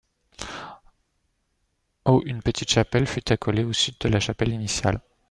Au une petite chapelle fut accolée au Sud de la chapelle initiale.